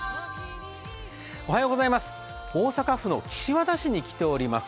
大阪府の岸和田市に来ております。